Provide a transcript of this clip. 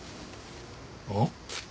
あっ？